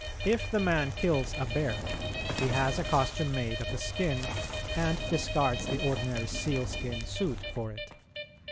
If the man kills a bear, he has a costume made of the skin and discards the ordinary sealskin suit for it.